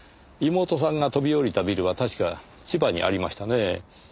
妹さんが飛び降りたビルは確か千葉にありましたね。